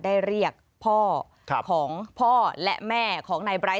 ได้เรียกพ่อของพ่อและแม่ของนายไร้